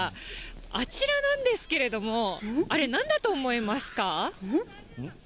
あちらなんですけれども、あれ、なんだと思いますか。